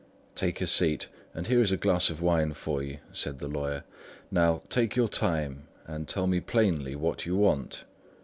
"Take a seat, and here is a glass of wine for you," said the lawyer. "Now, take your time, and tell me plainly what you want."